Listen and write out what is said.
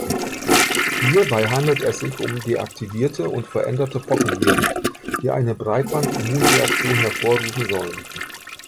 Hierbei handelt es sich um deaktivierte und veränderte Pockenviren, die eine Breitband-Immunreaktion hervorrufen sollen.